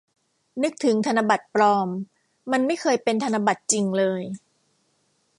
นึกถึงธนบัตรปลอม มันไม่เคยเป็นธนบัตรจริงเลย